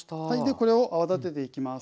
これを泡立てていきます。